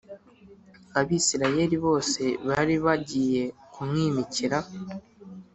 Abisirayeli bose bari bagiye kumwimikira